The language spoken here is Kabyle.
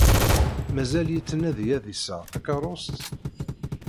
Mazal yettnadi ad d-iseɣ takeṛṛust?